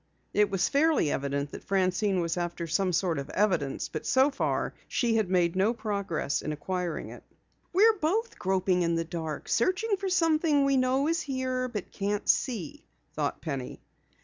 It was fairly evident that Francine was after some sort of evidence, but so far she had made no progress in acquiring it. "We're both groping in the dark, searching for something we know is here but can't see," thought Penny.